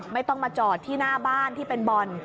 ไม่ต้องมาจอดที่หน้าบ้านที่เป็นบ่อน